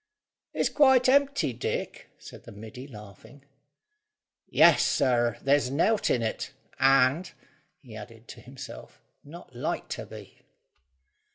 "It's quite empty, Dick," said the middy, laughing. "Yes, sir; there's nowt in it, and," he added to himself, "not like to be."